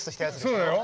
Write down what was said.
そうだよ。